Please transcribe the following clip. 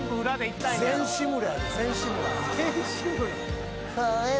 全志村。